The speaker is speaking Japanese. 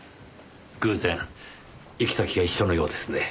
偶然行き先が一緒のようですねぇ。